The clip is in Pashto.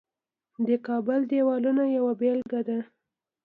د کابل دیوالونه یوه بیلګه ده